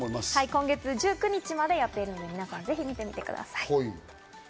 今月１９日までやっているので、ぜひ皆さん行ってみてください。